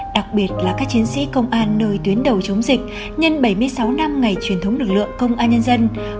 đặc biệt là các chiến sĩ công an nơi tuyến đầu chống dịch nhân bảy mươi sáu năm ngày truyền thống lực lượng công an nhân dân